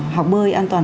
học bơi an toàn